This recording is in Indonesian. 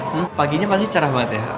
hmm paginya pasti cerah banget ya